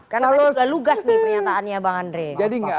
karena tadi sudah lugas nih pernyataannya bang andre